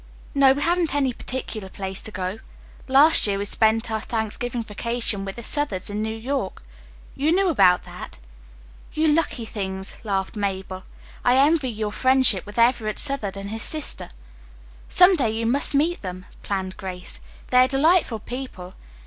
"No, we haven't any particular place to go. Last year we spent our Thanksgiving vacation with the Southards in New York. You knew about that." "You lucky things," laughed Mabel. "I envy you your friendship with Everett Southard and his sister." "Some day you must meet them," planned Grace. "They are delightful people.